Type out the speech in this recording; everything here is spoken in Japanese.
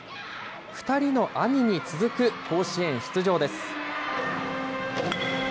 ２人の兄に続く甲子園出場です。